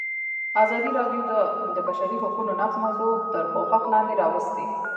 ازادي راډیو د د بشري حقونو نقض موضوع تر پوښښ لاندې راوستې.